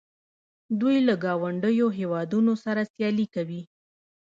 دوی له ګاونډیو هیوادونو سره سیالي کوي.